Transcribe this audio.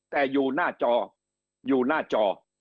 แต่อยู่หน้าจอ